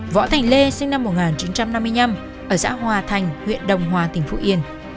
võ thành lê sinh năm một nghìn chín trăm năm mươi năm ở xã hòa thành huyện đồng hòa tỉnh phú yên